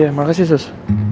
iya makasih sus